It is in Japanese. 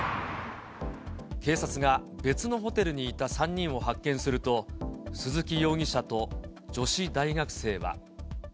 警察が別のホテルにいた３人を発見すると、鈴木容疑者と女子大学生は。